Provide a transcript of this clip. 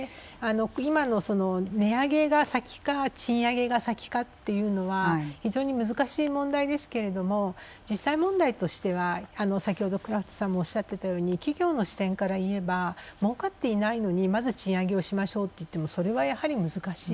今のその値上げが先か賃上げが先かというのは非常に難しい問題ですけれども実際問題としては先ほどクラフトさんもおっしゃっていたように企業の視点から言えばもうかっていないのにまず賃上げをしましょうといってもそれはやはり難しい。